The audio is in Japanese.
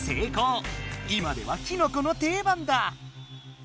今ではキノコの定番だ。